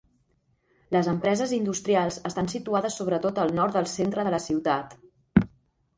Les empreses industrials estan situades sobre tot al nord del centre de la ciutat.